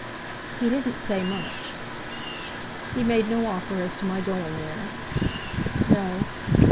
"He didn't say much." "He made no offer as to my going there?" "No."